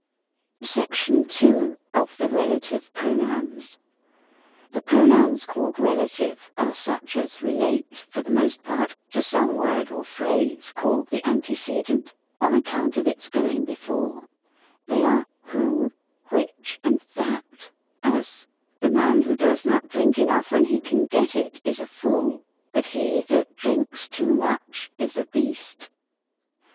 SECTION IL OF THE RELATIVE PRONOUNS. The Pronouns called Relative are such as relate, for the most part, to some word or phrase, called the ante cedent, on account of its going before : they are, whOf which, and that : as, " The man tvho does not drink enough when he can get it, is a fool : but he that drinks too much is a beast."